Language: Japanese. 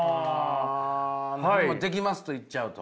もうできますと言っちゃうと。